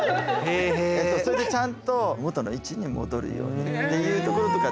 それでちゃんと元の位置に戻るようにっていうところとかって。